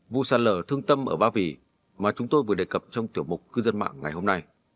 vụ sạt lở thương tâm ở ba vì mà chúng tôi vừa đề cập trong tiểu mục cư dân mạng ngày hôm nay